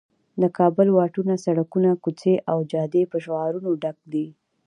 د کابل واټونه، سړکونه، کوڅې او جادې په شعارونو ډک دي.